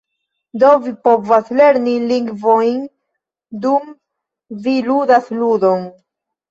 Do, vi povas lerni lingvojn dum vi ludas ludon